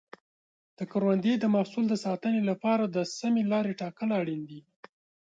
د کروندې د محصول د ساتنې لپاره د سمې لارې ټاکل اړین دي.